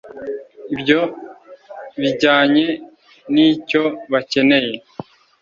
Ibyo bijyanye n’icyo bakeneye